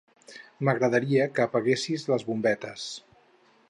M'agradaria que apaguessis les bombetes.